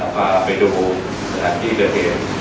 พาไปดูสถานที่เกิดเหตุ